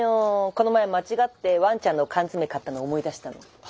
この前間違ってワンちゃんの缶詰買ったの思い出したの。